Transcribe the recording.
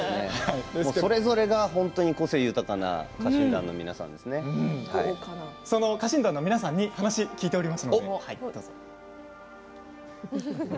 それぞれが個性豊かな家臣団の皆さんに話を聞いています。